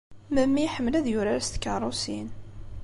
Memmi iḥemmel ad yurar s tkeṛṛusin.